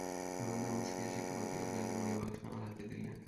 দোকানদার মুচকি হেসে একটা পত্রিকার কাগজে মুড়িয়ে বক্সটা আমার হাতে দিলেন।